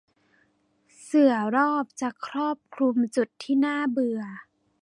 เสื่อรอบจะครอบคลุมจุดที่น่าเบื่อ